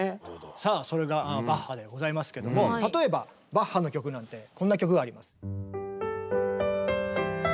さあそれがバッハでございますけども例えばバッハの曲なんてこんな曲があります。